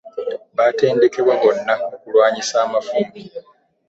Batendekebwa bonna mu kulwanyisa amafumu.